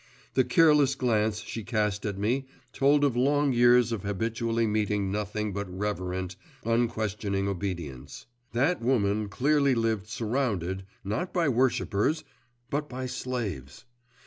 The careless glance she cast at me told of long years of habitually meeting nothing but reverent, unquestioning obedience. That woman clearly lived surrounded, not by worshippers, but by slaves.